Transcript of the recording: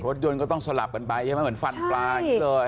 รถยนต์ก็ต้องสลับกันไปใช่ไหมเหมือนฟันปลาอย่างนี้เลย